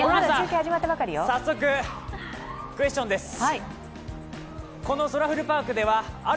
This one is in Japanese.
早速、クエスチョンです。